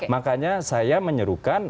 makanya saya menyerukan